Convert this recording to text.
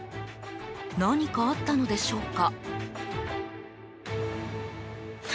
何かあったのでしょうか？